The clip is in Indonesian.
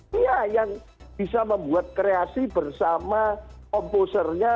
dia yang bisa membuat kreasi bersama composer nya